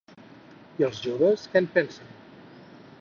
I els joves, què en pensen?